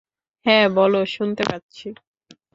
হ্যাঁ, বল, শুনতে পাচ্ছি।